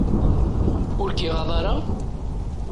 Ur k-iɣaḍ ara?